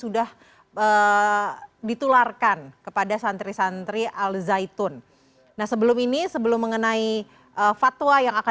sudah ditularkan kepada santri santri al zaitun nah sebelum ini sebelum mengenai fatwa yang akan